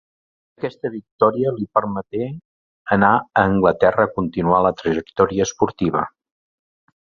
Aquesta victòria li permeté anar a Anglaterra a continuar la trajectòria esportiva.